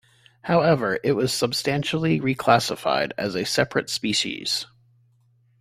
However, it was subsequently reclassified as a separate species.